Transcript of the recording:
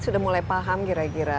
sudah mulai paham kira kira